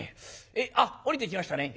あっ下りてきましたね。